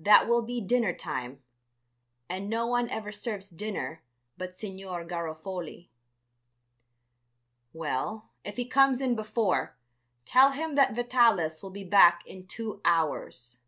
That will be dinner time, and no one ever serves dinner but Signor Garofoli." "Well, if he comes in before, tell him that Vitalis will be back in two hours."